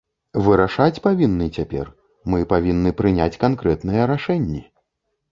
Вырашаць павінны цяпер, мы павінны прыняць канкрэтныя рашэнні.